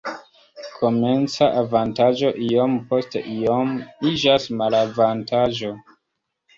Komenca avantaĝo iom post iom iĝas malavantaĝo.